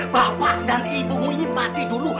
bapak dan ibumu ini mati dulu